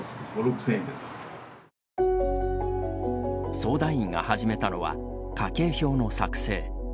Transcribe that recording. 相談員が始めたのは家計表の作成。